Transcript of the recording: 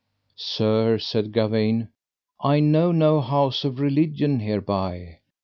Sir, said Gawaine, I know no house of religion hereby.